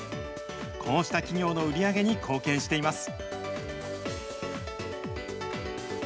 こうした企業の売り上げに貢献しています。